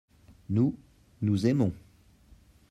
nous, nous aimons.